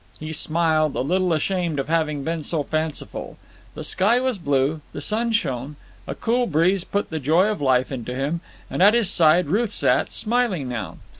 He smiled, a little ashamed of having been so fanciful; the sky was blue; the sun shone; a cool breeze put the joy of life into him; and at his side Ruth sat, smiling now.